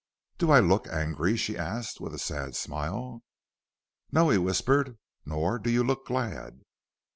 "Do I look angry?" she asked, with a sad smile. "No," he whispered; "nor do you look glad."